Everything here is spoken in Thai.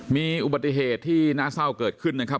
มีอุบัติเหตุที่น่าเศร้าเกิดขึ้นนะครับ